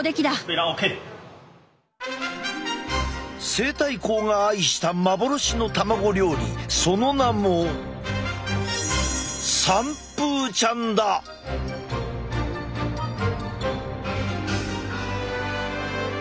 西太后が愛した幻の卵料理その名も見よ